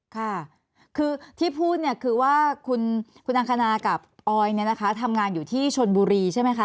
ค่ะคือที่พูดเนี่ยคือว่าคุณอังคณากับออยทำงานอยู่ที่ชนบุรีใช่ไหมคะ